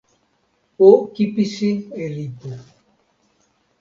o kipisi e lipu.